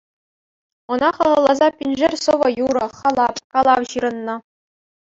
Ӑна халалласа пиншер сӑвӑ-юрӑ, халап, калав ҫырӑннӑ.